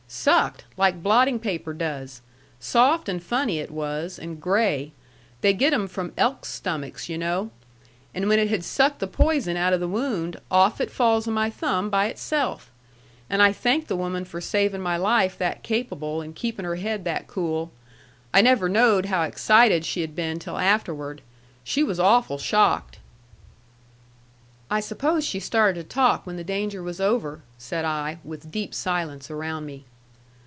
"Sucked. Like blotting paper does. Soft and funny it was, and gray. They get 'em from elks' stomachs, yu' know. And when it had sucked the poison out of the wound, off it falls of my thumb by itself! And I thanked the woman for saving my life that capable and keeping her head that cool. I never knowed how excited she had been till afterward. She was awful shocked." "I suppose she started to talk when the danger was over," said I, with deep silence around me.